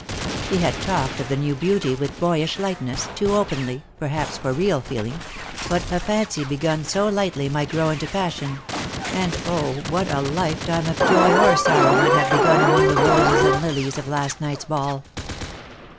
He had talked of the new beauty with boyish lightness, too openly, perhaps, for real feeling; but a fancy begun so lightly might grow into pas sion; and, oh, what a lifetime of joy or sorrow might have begun among the roses and lilies of last night's ball!